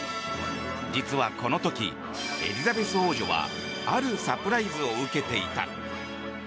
実はこの時、エリザベス王女はあるサプライズを受けていた。